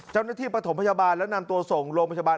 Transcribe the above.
เจ้าหน้าที่ปฐมพจบาลและนำตัวส่งโรงพจบาล